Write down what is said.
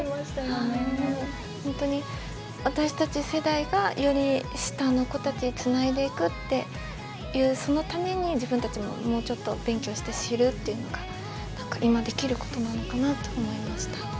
本当に私たち世代がより下の子たちへつないでいくっていうそのために自分たちももうちょっと勉強して知るっていうのが今できることなのかなって思いました。